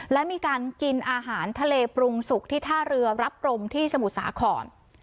และมีการกินอาหารทะเลปรุงสุกที่ท่าเรือรับรมที่สมุทรสาคร